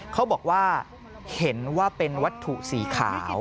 เขาบอกว่าเห็นว่าเป็นวัตถุสีขาว